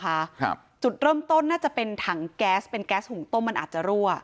ครับจุดเริ่มต้นน่าจะเป็นถังแก๊สเป็นแก๊สหุงต้มมันอาจจะรั่ว